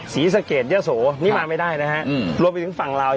สีสเกจนี่สูะนี่มาไม่ได้นะฮะรวมไปถึงฝั่งราว